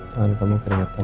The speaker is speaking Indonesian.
tangan kamu keringetan